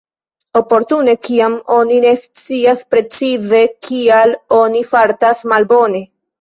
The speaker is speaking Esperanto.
Oportune kiam oni ne scias precize kial oni fartas malbone.